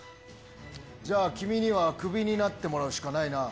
じゃあ、君には首になってもらうしかないな。